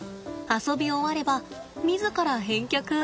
遊び終われば自ら返却。